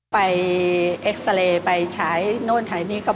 ไปเอ็กซ์เซเรไปช้ายโน่นนี่